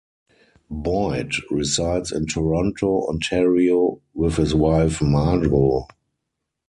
Boyd resides in Toronto, Ontario with his wife Margo.